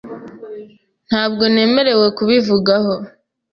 Ntabwo nemerewe kubivugaho.